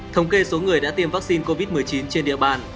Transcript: thống kê số người đã tiêm vaccine covid một mươi chín trên địa bàn